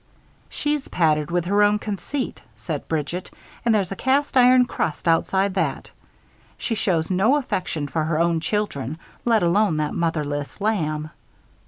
"She's padded with her own conceit," said Bridget, "and there's a cast iron crust outside that. She shows no affection for her own children, let alone that motherless lamb."